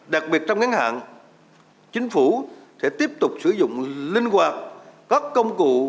đặc biệt trong ngân hàng chính phủ sẽ tiếp tục sử dụng linh hoạt các công cụ